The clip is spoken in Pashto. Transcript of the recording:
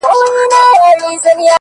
شپه چي تياره سي _رڼا خوره سي _